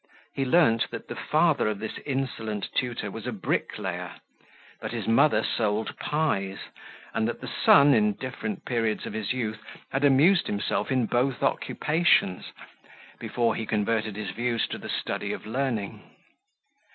He learnt that the father of this insolent tutor was a brick layer, that his mother sold pies, and that the son, in different periods of his youth, had amused himself in both occupations, before he converted his views to the study of learning.